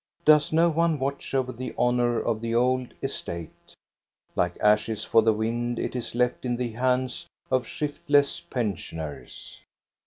Does no one watch over the honor of the old estate? Like ashes for the wind it is left in the hands of shiftless pensioners.